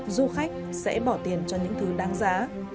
du khách sẽ bỏ tiền cho những thứ đáng giá